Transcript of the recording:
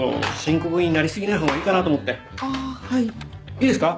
いいですか？